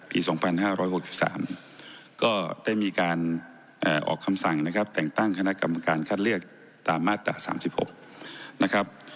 ปี๒๕๖๓ก็ได้มีการออกคำสั่งนะครับแต่งตั้งคณะกรรมการคัดเลือกตามมาตรา๓๖นะครับ